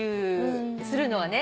するのはね。